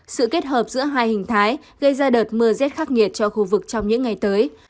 sự kết hợp giữa hai hình thái gây ra đợt mưa rét khắc nghiệt cho khu vực trong những ngày tới